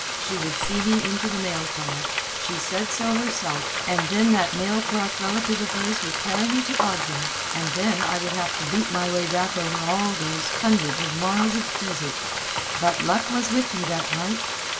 She would see me into the mail car she said so herself and then that mail clerk relative of hers would carry me to Ogden. And then I would have to beat my way back over all those hundreds of miles of desert. But luck was with me that night.